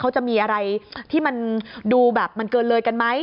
เขาจะมีอะไรที่มันดูแบบมันเกินเลยกันไหม